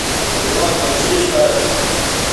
نِوانز مہ چیش فرض تھا